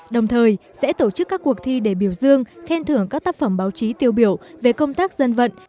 đồng thời sẽ tổ chức các cuộc thi để biểu dương khen thưởng các tác phẩm báo chí tiêu biểu về công tác dân vận